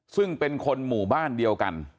ซึ่งเป็นคนหมู่บ้านเดียวกัน